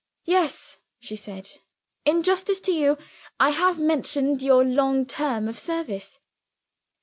"Yes," she said; "in justice to you, I have mentioned your long term of service."